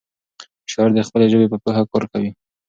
شاعر د خپلې ژبې په پوهه کار کوي.